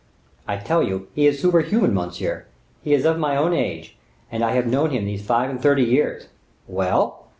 "I tell you, he is superhuman, monsieur. He is of my own age, and I have known him these five and thirty years." "Well?"